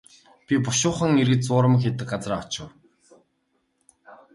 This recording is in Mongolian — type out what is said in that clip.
Би бушуухан эргэж зуурмаг хийдэг газраа очив.